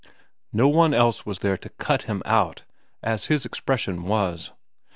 No one else was there to cut him out, as his expression was.